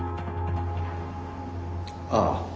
ああ。